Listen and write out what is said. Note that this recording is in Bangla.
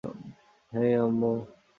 হেই, আম্মু।